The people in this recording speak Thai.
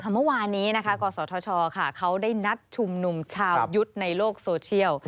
เมื่อวานนี้กศธชเขาได้นัดชุมนุมชาวยุทธ์ในโลกโซเชียล